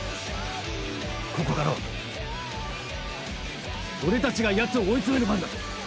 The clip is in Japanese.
ここからは俺たちがヤツを追い詰める番だ。